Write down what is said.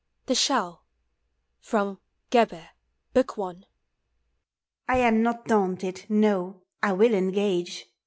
127 THE SHELL. FROM " gebib/* BOOK I. I am noi daunted, no; I will engage.